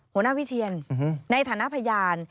หัวหน้าวิเชียนในฐานะพยาน